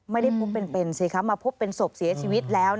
ไม่ได้พบเป็นสิคะมาพบเป็นศพเสียชีวิตแล้ว